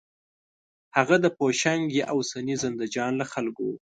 هغه د پوشنګ او یا اوسني زندهجان له خلکو و.